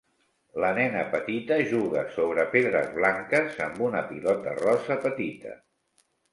La nena petita juga sobre pedres blanques amb una pilota rosa petita.